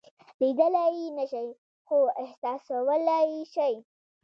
لیدلی یې نشئ خو احساسولای یې شئ.